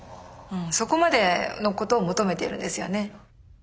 そこまでのことを求めているんですよね。